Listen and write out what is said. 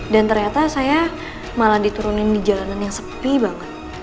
dan ternyata saya malah diturunin di jalanan yang sepi banget